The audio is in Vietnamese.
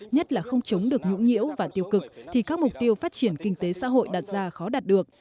nhất là không chống được nhũng nhiễu và tiêu cực thì các mục tiêu phát triển kinh tế xã hội đặt ra khó đạt được